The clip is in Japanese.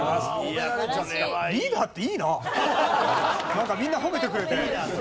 なんかみんな褒めてくれて。